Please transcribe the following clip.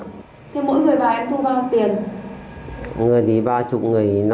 thế mỗi người vào em thu bao nhiêu tiền